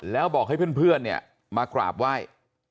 แล้วบอกให้เพื่อนเนี่ยมากราบไหว้